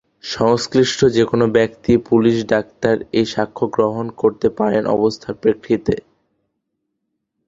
সংশ্লিষ্ট যেকোনো ব্যক্তি, পুলিশ, ডাক্তার এই সাক্ষ্য গ্রহণ করতে পারেন অবস্থার প্রেক্ষিতে।